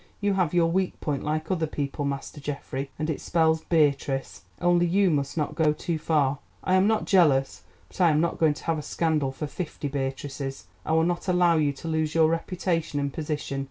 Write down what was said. You have your weak point like other people, Master Geoffrey—and it spells Beatrice. Only you must not go too far. I am not jealous, but I am not going to have a scandal for fifty Beatrices. I will not allow you to lose your reputation and position.